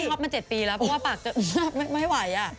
ไม่หอบมา๗ปีแล้วเพราะว่าปากจะไม่ไหวอ่ะ